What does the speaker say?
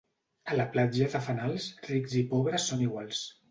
A la Platja de Fanals, rics i pobres són iguals.